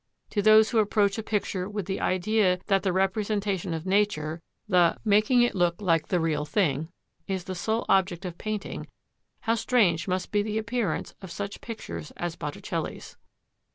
To those who approach a picture with the idea that the representation of nature, the "making it look like the real thing," is the sole object of painting, how strange must be the appearance of such pictures as Botticelli's.